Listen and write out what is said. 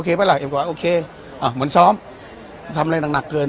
โอเคป่าละเอก็ว่าโอเคอ่ะเหมือนซ้อมทำอะไรนักนักเกิน